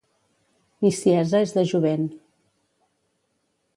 Niciesa és de jovent.